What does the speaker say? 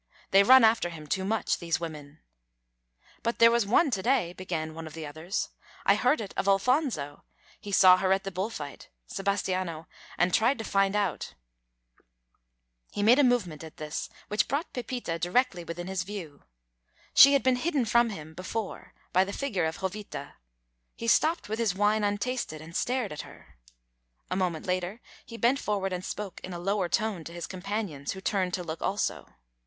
"They run after him too much, these women." "But there was one to day " began one of the others. "I heard it of Alfonso he saw her at the bull fight Sebastiano and tried to find out " He made a movement at this moment which brought Pepita directly within his view. She had been hidden from him before by the figure of Jovita. He stopped with his wine untasted and stared at her. A moment later he bent forward and spoke in a lower tone to his companions, who turned to look also.